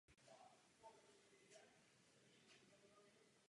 Tuto roli zvládl velmi dobře.